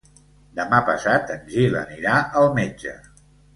Demà passat en Gil anirà al metge.